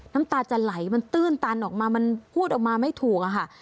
น้ำตาจะไหลมันตื้นตันออกมามันพูดออกมาไม่ถูกอะค่ะ